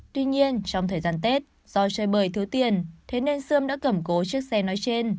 tuy nhiên trong thời gian tết do chơi bời thiếu tiền thế nên sươm đã cầm cố chiếc xe nói trên